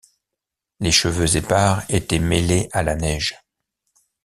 Les cheveux épars étaient mêlés à la neige.